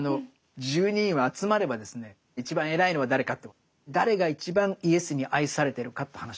十二人は集まればですね一番偉いのは誰かと誰が一番イエスに愛されてるかと話してるんです。